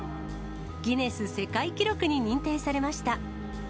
ギネス世界記録に認定されました。